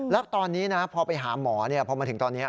แล้วตอนนี้นะพอไปหาหมอพอมาถึงตอนนี้